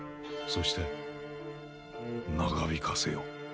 そして長引かせよ。